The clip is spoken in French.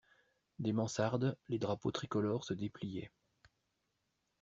Des mansardes, les drapeaux tricolores se dépliaient.